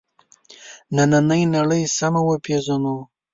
نننۍ نړۍ سمه وپېژنو.